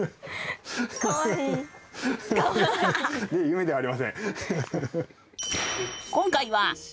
夢ではありません。